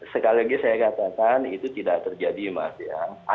sekali lagi saya katakan itu tidak terjadi mas ya